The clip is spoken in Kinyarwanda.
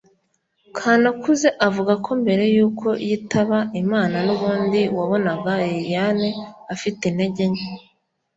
Kanakuze avuga ko mbere y’uko yitaba Imana n’ubundi wabonaga Liliane afite intege nke